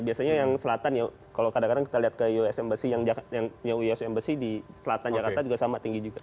biasanya yang selatan ya kalau kadang kadang kita lihat ke us embassy di selatan jakarta juga sama tinggi juga